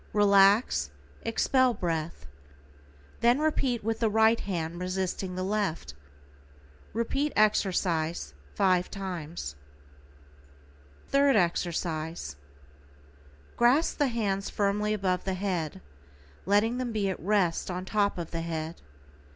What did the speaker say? Relax, expel breath. Then repeat with the right hand resisting the left. Repeat exercise 5 times. =THIRD EXERCISE:= Grasp the hands firmly above the head, letting them be at rest on top of the head.